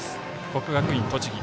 国学院栃木。